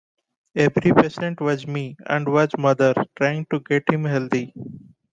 Every patient was me, and was mother, trying to get him healthy.